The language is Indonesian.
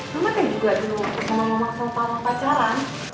mama teh juga dulu sama mama selalu tau waktu pacaran